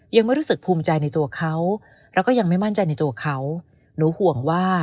ยังไม่รู้สึกภูมิใจในตัวเขา